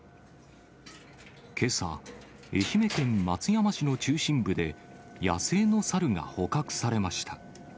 けさ、愛媛県松山市の中心部で、野生のサルが捕獲されました。